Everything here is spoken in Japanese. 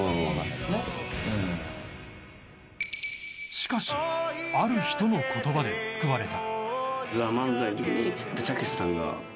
しかしある人の言葉で救われた。